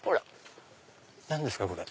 何ですか？